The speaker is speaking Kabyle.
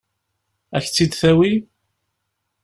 Ad k-tt-id-tawi?